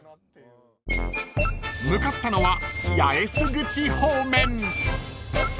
［向かったのは八重洲口方面］